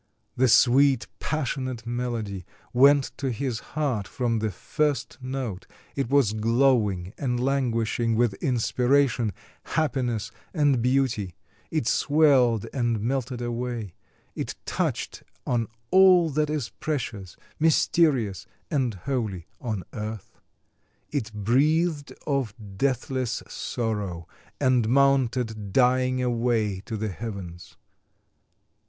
The sweet passionate melody went to his heart from the first note; it was glowing and languishing with inspiration, happiness and beauty; it swelled and melted away; it touched on all that is precious, mysterious, and holy on earth. It breathed of deathless sorrow and mounted dying away to the heavens.